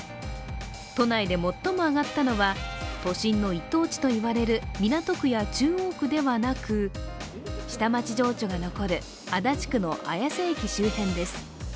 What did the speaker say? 都内で最も上がったのは都心の一等地と言われる港区や中央区ではなく、下町情緒が残る足立区の綾瀬駅周辺です。